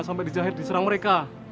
sampai dijahit diserang mereka